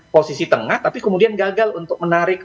posisi tengah tapi kemudian gagal untuk menarik